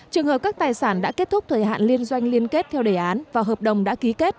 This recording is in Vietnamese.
trường hợp các tài sản đã kết thúc thời hạn liên doanh liên kết theo đề án và hợp đồng đã ký kết